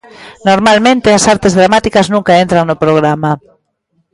Normalmente as artes dramáticas nunca entran no programa.